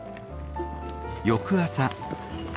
翌朝。